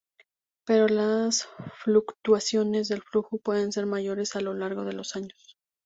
Pero las fluctuaciones de flujo pueden ser mayores a lo largo de los años.